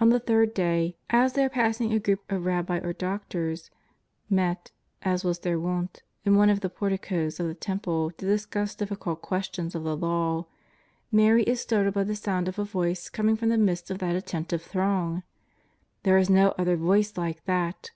On the third day, as they are passing a group of JESUS OF NAZARETH. 95 rabbis or doctors, met, as was their wont, in one of the porticos of the Temple to discuss difficult questions of the Law, Mary is startled by the sound of a Voice com ing from the midst of that attentive throng. There is no other voice like that.